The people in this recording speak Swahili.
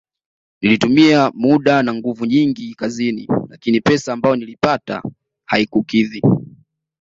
Nilitumia muda na nguvu nyingi kazini lakini pesa ambayo niliipata haikukidhi